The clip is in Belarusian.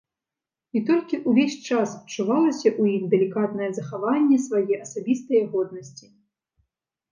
І толькі ўвесь час адчувалася ў ім далікатнае захаванне свае асабістае годнасці.